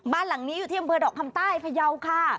บ้านหลังนี้อยู่ที่อำเภอดอกคำใต้พยาวค่ะ